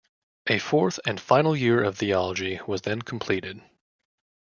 A fourth and final year of theology was then completed.